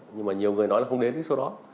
nhưng mà nhiều người nói là không đến cái số đó